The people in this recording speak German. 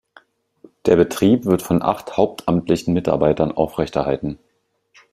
Der Betrieb wird von acht hauptamtlichen Mitarbeitern aufrechterhalten.